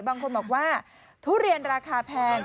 บางคนบอกว่าทุเรียนราคาแพง